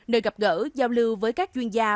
nơi gặp gỡ giao lưu với các chuyên gia